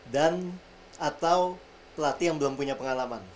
dan atau pelatih yang belum punya pengalaman